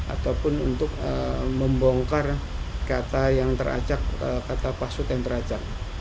ataupun untuk membongkar kata yang teracak kata password yang teracak